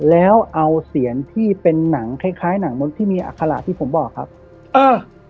แล้วเอาเสียงที่เป็นหนังคล้ายคล้ายหนังมกที่มีอัคระที่ผมบอกครับเออ